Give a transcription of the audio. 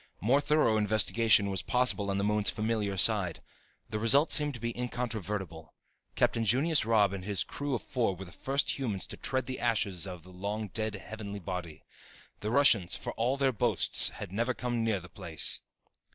More thorough investigation was possible on the moon's familiar side. The results seemed to be incontrovertible. Captain Junius Robb and his crew of four were the first humans to tread the ashes of the long dead heavenly body. The Russians, for all their boasts, had never come near the place.